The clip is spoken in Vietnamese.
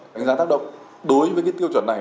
đánh giá tác động đối với cái tiêu chuẩn này